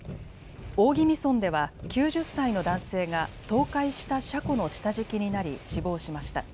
大宜味村では９０歳の男性が倒壊した車庫の下敷きになり死亡しました。